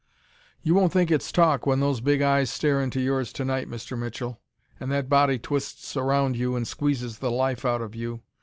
"'You won't think it's talk when those big eyes stare into yours to night, Mr. Mitchell, and that body twists around you and squeezes the life out of you.